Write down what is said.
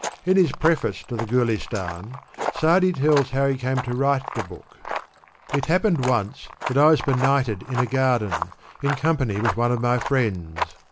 In his Preface to the Gulistan, Sa*di tells how he came to write the book. '*... It happened once, that 1 was benighted in a garden, in company with one of my friends.